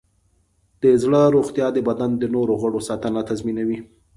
د زړه روغتیا د بدن د نور غړو ساتنه تضمینوي.